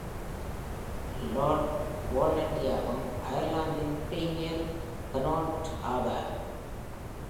Lord வாலண்டியாவும் அயர்லாந்தின் premier baronet ஆவார்.